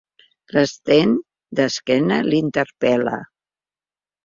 L'Sten, d'esquena, l'interpel.la.